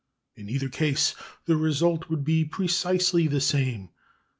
In either case the result would be precisely the same.